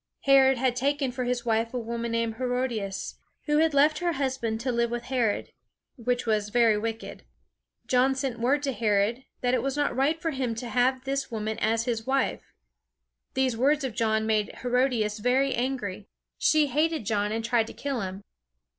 Herod had taken for his wife a woman named Herodias, who had left her husband to live with Herod, which was very wicked. John sent word to Herod, that it was not right for him to have this woman as his wife. These words of John made Herodias very angry. She hated John, and tried to kill him.